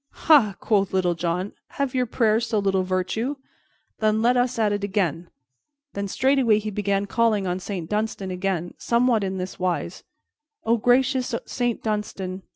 "Ha!" quoth Little John, "have your prayers so little virtue? Then let us at it again." Then straightway he began calling on Saint Dunstan again, somewhat in this wise: "O gracious Saint Dunstan!